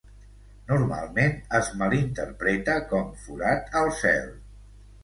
Normalment es malinterpreta com "forat al cel".